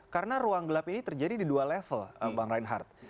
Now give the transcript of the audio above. karena ruang gelap ini terjadi di dua level bang reinhardt